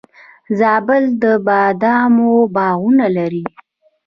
زابل د بادامو باغونه لري